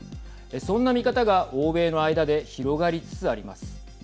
そんな見方が欧米の間で広がりつつあります。